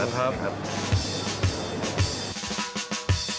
ขอบคุณครับ